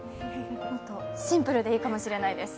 シンプルでいいかもしれないです。